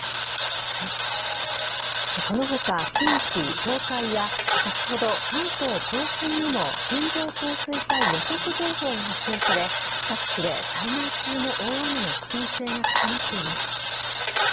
この他、近畿、東海や先ほど関東甲信にも線状降水帯予測情報が発表され各地で災害級の大雨の危険性が高まっています。